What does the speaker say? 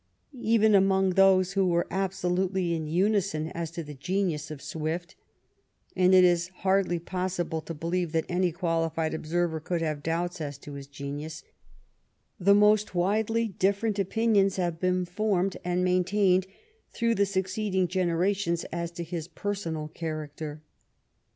Even among those who are absolutely in unison as to the genius of Swift — and it is hardly possible to believe that any qualified observer could have doubts as to his genius — the most widely different opinions have been formed and maintained through the succeeding generations as to his personal character.